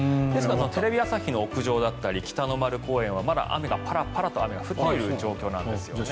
テレビ朝日の屋上だったり北の丸公園はまだ雨がパラパラと降っている状況なんですよね。